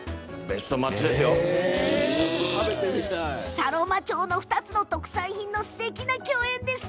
佐呂間町の２つの特産品のすてきな共演。